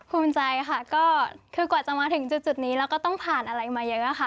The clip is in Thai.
ภูมิใจค่ะก็คือกว่าจะมาถึงจุดนี้เราก็ต้องผ่านอะไรมาเยอะค่ะ